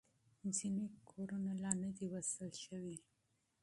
ځینې کورونه لا نه دي وصل شوي.